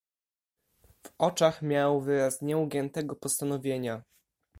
"W oczach miał wyraz nieugiętego postanowienia."